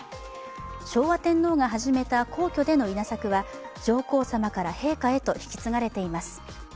昭和天皇が始めた皇居での稲作は上皇さまから陛下へと引き継がれています。